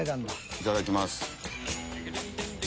いただきます。